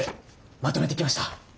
まとめてきました。